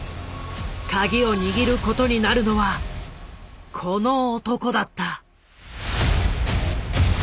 鍵を握ることになるのはこの男だった。